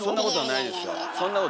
ないないですよ。